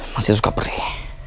masih suka perih